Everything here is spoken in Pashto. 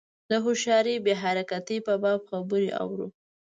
د هوښیاري بې حرکتۍ په باب خبرې اورو.